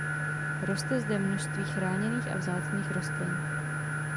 Roste zde množství chráněných a vzácných rostlin.